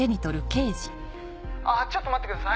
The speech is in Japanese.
あぁちょっと待ってください。